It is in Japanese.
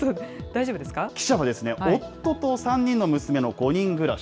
記者は、夫と３人の娘の５人暮らし。